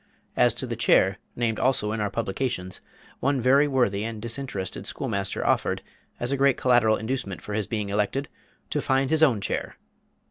As to the "chair" named also in our publications, one very worthy and disinterested schoolmaster offered, as a great collateral inducement for his being elected, "_to find his own chair!